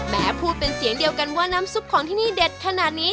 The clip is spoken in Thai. พูดเป็นเสียงเดียวกันว่าน้ำซุปของที่นี่เด็ดขนาดนี้